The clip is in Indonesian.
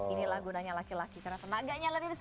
inilah gunanya laki laki karena tenaganya lebih besar